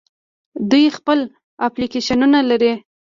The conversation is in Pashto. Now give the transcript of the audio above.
دوی خپل اپلیکیشنونه لري.